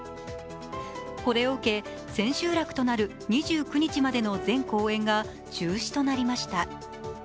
これを受け千秋楽となる２９日までの全公演が中止となりました。